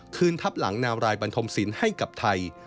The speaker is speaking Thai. คืนทับหลังนาวรายบันทมศิลป์ให้กับไทย